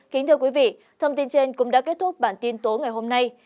kính thưa quý vị thông tin trên cũng đã kết thúc bản tin tối ngày hôm nay